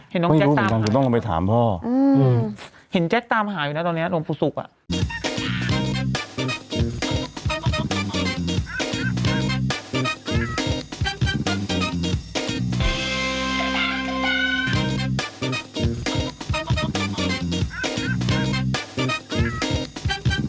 เห็นน้องแจ็คตามหาอยู่นะครับอืมเห็นน้องแจ็คตามหาอยู่ตอนนี้นะน้องปุศุกร์